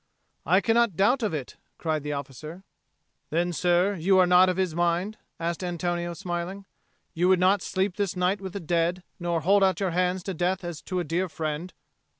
"I cannot doubt of it," cried the officer. "Then, sir, you are not of his mind?" asked Antonio, smiling. "You would not sleep this night with the dead, nor hold out your hands to death as to a dear friend?"